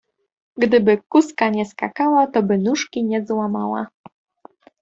Gdyby kózka nie skakała, to by nóżki nie złamała.